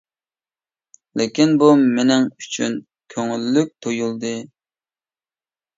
لېكىن بۇ مېنىڭ ئۈچۈن كۆڭۈللۈك تۇيۇلدى.